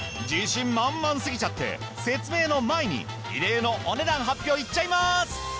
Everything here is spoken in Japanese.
自信満々すぎちゃって説明の前に異例のお値段発表いっちゃいます。